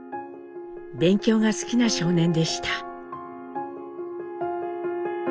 勉強が好きな少年でした。